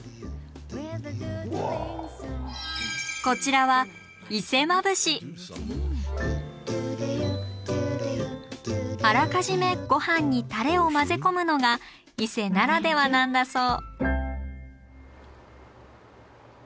こちらはあらかじめごはんにタレを混ぜ込むのが伊勢ならではなんだそう。